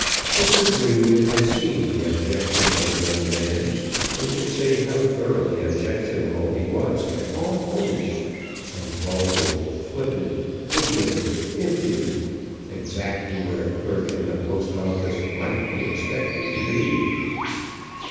Mr. Greenwood had seen the objectionable young man, and could say how thoroughly objectionable he was at all points, how vulgar, flippant, ignorant, impudent, exactly what a clerk in the Post Office might be expected to be.